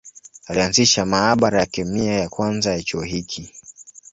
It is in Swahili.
Alianzisha maabara ya kemia ya kwanza ya chuo hiki.